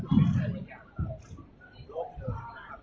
ส่วนต้นไทยมันคือเป็นระยะงามต่อโลกเดิมนะครับ